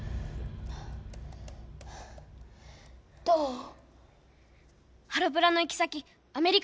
どう？